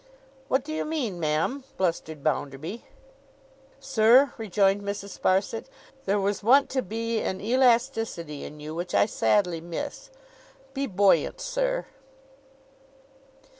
'What do you mean, ma'am?' blustered Bounderby. 'Sir,' rejoined Mrs. Sparsit, 'there was wont to be an elasticity in you which I sadly miss. Be buoyant, sir!